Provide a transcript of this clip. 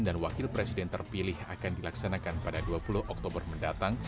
dan wakil presiden terpilih akan dilaksanakan pada dua puluh oktober mendatang